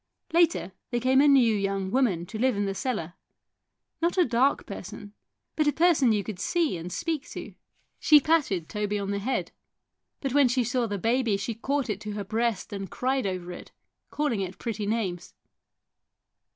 Later there came a new young woman to live in the cellar not a dark person, but a person you could see and speak to. She patted THE BIRD IN THE GARDEN 149 Toby on the head ; but when she saw the baby she caught it to her breast and cried over it, calling it pretty names.